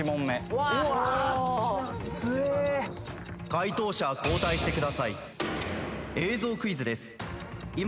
解答者交代してください。